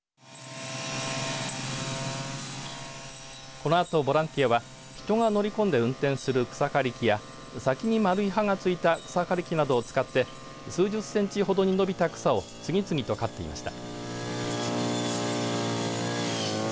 このあとボランティアは人が乗り込んで運転する草刈り機や先に丸い刃が付いた草刈り機などを使って数十センチほどに伸びた草を次々と刈っていました。